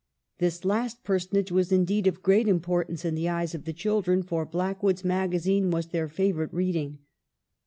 This last personage was indeed of great importance in the eyes of the children, for Blackwood's Magazine was their favorite reading.